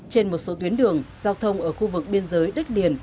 trên một số tuyến đường giao thông ở khu vực biên giới đất liền